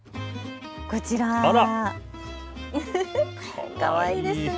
こちら、かわいいですね。